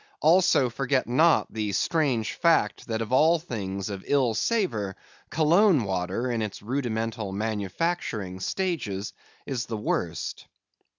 Also forget not the strange fact that of all things of ill savor, Cologne water, in its rudimental manufacturing stages, is the worst.